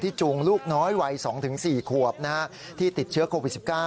จูงลูกน้อยวัย๒๔ขวบที่ติดเชื้อโควิด๑๙